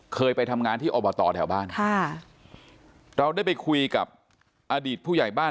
เคยไปทำงานที่อบตแถวบ้านค่ะเราได้ไปคุยกับอดีตผู้ใหญ่บ้าน